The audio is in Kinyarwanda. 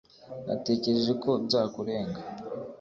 natekereje ko nzakurenga